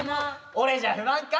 俺じゃ不満か？